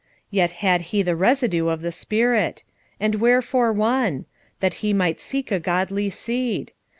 Yet had he the residue of the spirit. And wherefore one? That he might seek a godly seed.